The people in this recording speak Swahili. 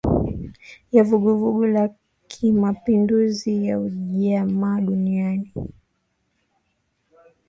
Ya vuguvugu la kimapinduzi ya ujamaa duniani